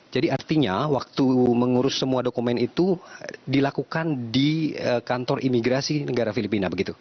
jadi artinya waktu mengurus semua dokumen itu dilakukan di kantor imigrasi negara filipina begitu